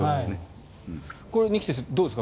これは二木先生どうですか？